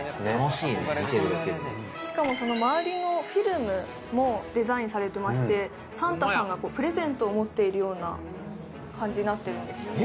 しかもその周りのフィルムもデザインされてましてサンタさんがプレゼントを持っているような感じになってるんですよね